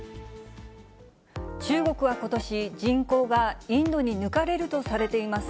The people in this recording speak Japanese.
中国はことし、人口がインドに抜かれるとされています。